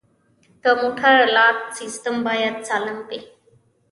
د موټر لاک سیستم باید سالم وي.